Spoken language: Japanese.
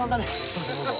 どうぞどうぞ。